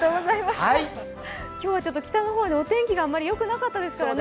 今日は北の方のお天気、あまりよくなかったですからね。